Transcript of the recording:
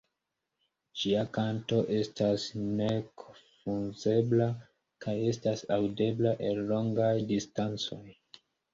Ĝia kanto estas nekonfuzebla kaj estas aŭdebla el longaj distancoj.